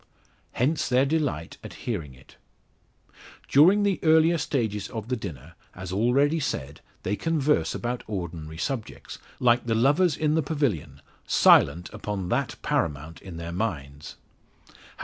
Hence their delight at hearing it. During the earlier stages of the dinner, as already said, they converse about ordinary subjects, like the lovers in the pavilion, silent upon that paramount in their minds.